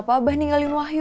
kenapa abah ninggalin wahyu